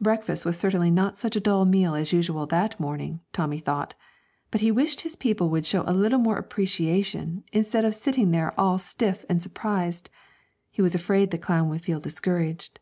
Breakfast was certainly not such a dull meal as usual that morning, Tommy thought; but he wished his people would show a little more appreciation, instead of sitting there all stiff and surprised; he was afraid the clown would feel discouraged.